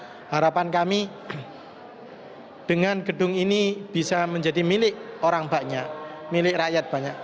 harapan kami dengan gedung ini bisa menjadi milik orang banyak milik rakyat banyak